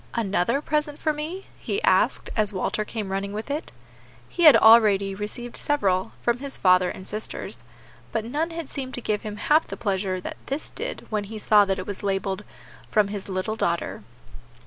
"Another present for me?" he asked, as Walter came running with it. He had already received several, from his father and sisters, but none had seemed to give him half the pleasure that this did when he saw that it was labelled, "From his little daughter."